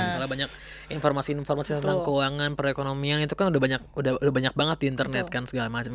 karena banyak informasi informasi tentang keuangan perekonomian itu kan udah banyak banget di internet kan segala macam